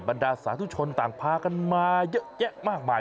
บรรดาสาธุชนต่างพากันมาเยอะแยะมากมาย